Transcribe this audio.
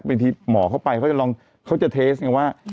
พี่มองเข้าไปเขาจะเทสแบบว่า